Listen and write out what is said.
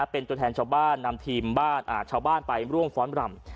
เป็นตัวแทนชาวบ้านนำทีมชาวบ้านไปร่วมฟ้อนรำ